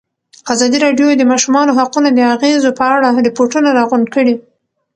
ازادي راډیو د د ماشومانو حقونه د اغېزو په اړه ریپوټونه راغونډ کړي.